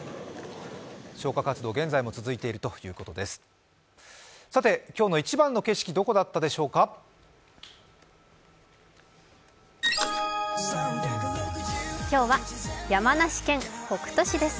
消火活動、現在も続いているということです。